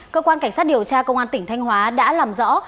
cơ quan cảnh sát điều tra công an tỉnh thanh hóa đã làm rõ